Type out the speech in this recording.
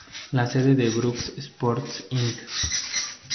La sede de Brooks Sports Inc.